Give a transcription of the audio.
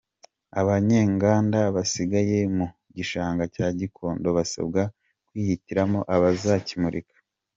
Abanyenganda basigaye mu gishanga cya Gikondo basabwa kwihitiramo aho bazimukira.